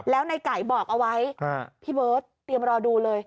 แล้วในไก่บอกเอาไว้พี่เบิร์ตเตรียมรอดูเลย